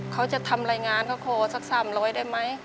เขาจะทำรายงานเขาขอสัก๓๐๐ได้ไหม